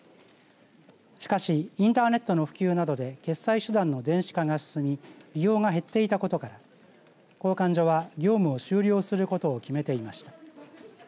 しかしインターネットの普及などで決済手段の電子化が進み利用が減っていたことから交換所は業務を終了することを決めていました。